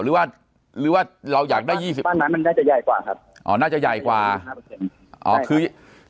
หรือว่าหรือว่าเราอยากได้๒๐บ้านไม้มันน่าจะใหญ่กว่าครับอ๋อน่าจะใหญ่กว่า